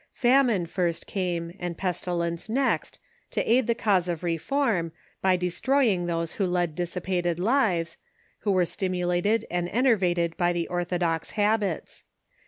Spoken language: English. Famine first came, and pestilence next, to aid the cause of reform, by destroying those who led dissipated lives, who were stimulated and enervated by the orthodox habits.